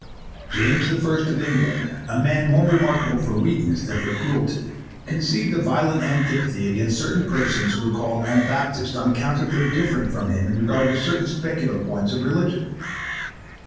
James the 1st of England, a man [more] remarkable for weakness than for cruelty, conceived a violent antipathy against certain persons who were called Anabaptists on account of their differing from him in regard to certain speculative points of religion.